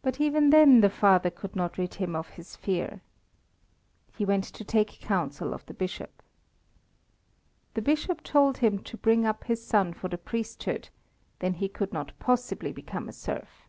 But even then the father could not rid him of his fear. He went to take counsel of the Bishop. The Bishop told him to bring up his son for the priesthood, then he could not possibly become a serf.